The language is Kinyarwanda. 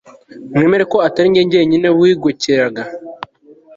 mwemere ko atari jye jyenyine wigokeraga